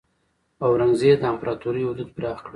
اورنګزیب د امپراتورۍ حدود پراخ کړل.